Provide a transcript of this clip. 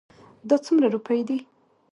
دا څومره روپی دي؟